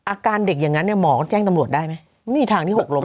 อาการเด็กอย่างนั้นเนี่ยหมอก็แจ้งตำรวจได้ไหมไม่มีทางที่หกล้ม